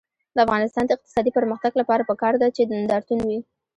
د افغانستان د اقتصادي پرمختګ لپاره پکار ده چې نندارتون وي.